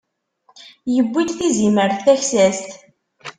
Yewwi-d tizimert taksast.